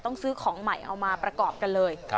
ซื้อของใหม่เอามาประกอบกันเลย